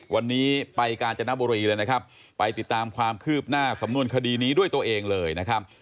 วันนี้ไปกาญจนบุรีเลยนะครับไปติดตามความคืบหน้าสำนวนคดีนี้ด้วยตัวเองเลยนะครับ